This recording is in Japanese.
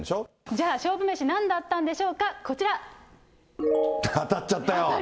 じゃあ、勝負メシなんだったんでしょうか、当たっちゃったよ。